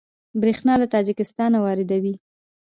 بریښنا له تاجکستان واردوي